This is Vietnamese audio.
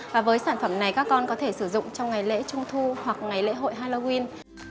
và với sản phẩm này các con có thể sử dụng trong ngày lễ trung thu hoặc ngày lễ hội halloween